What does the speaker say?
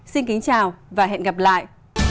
xin kính chào và hẹn gặp lại